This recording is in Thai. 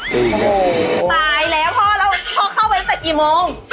ตายแล้วพ่อแล้วพ่อเข้าไปตั้งแต่กี่โมง